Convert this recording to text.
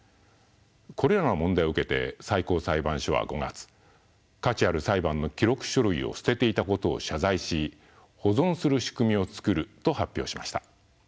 これらの問題を受けて最高裁判所は５月価値ある裁判の記録書類を捨てていたことを謝罪し保存する仕組みを作ると発表しました。